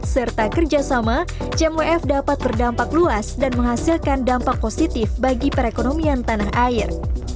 serta kerjasama jmwf dapat berdampak luas dan menghasilkan dampak positif bagi perekonomian tanah air